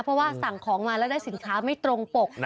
เพราะว่าสั่งของมาแล้วได้สินค้าไม่ตรงปก